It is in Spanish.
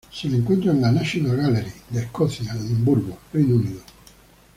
Se encuentra en la National Gallery of Scotland, Edimburgo, Reino Unido.